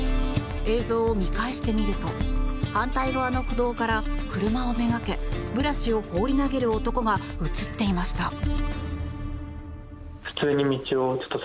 映像を見返してみると反対側の歩道から車をめがけブラシを放り投げる男が映っていました。